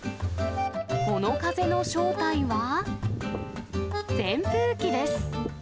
この風の正体は、扇風機です。